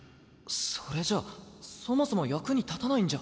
それじゃあそもそも役に立たないんじゃ。